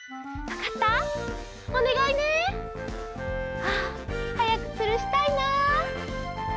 あはやくつるしたいな。